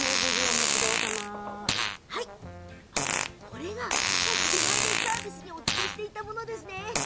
これが、さっき出前でサービスにつけていたものですね。